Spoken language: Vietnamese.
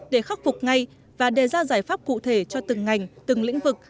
để khắc phục ngay và đề ra giải pháp cụ thể cho từng ngành từng lĩnh vực